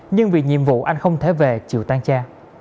nhưng vì nhiệm vụ anh không thể về chịu tan cha